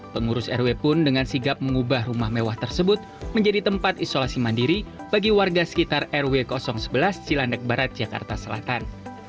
pengurus rw pun dengan sigap mengubah rumah mewah tersebut menjadi tempat isolasi mandiri bagi warga sekitar rw sebelas cilandak barat jakarta selatan